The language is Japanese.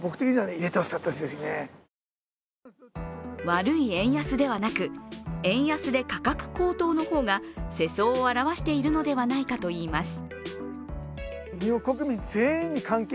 悪い円安ではなく円安で価格高騰の方が世相を表しているのではないかといいます。